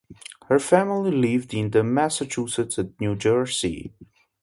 Her family lived in Massachusetts and New Jersey.